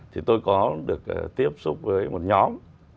thì tôi có được tiếp xúc với một nhóm